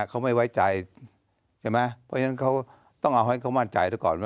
เขาไม่ไว้ใจเพราะฉะนั้นต้องเอาให้เขามั่นใจด้วยก่อน